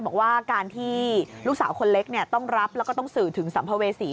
บอกว่าการที่ลูกสาวคนเล็กต้องรับแล้วก็ต้องสื่อถึงสัมภเวษี